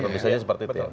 tentu saja seperti itu